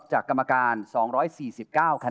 แชมป์กลุ่มนี้คือ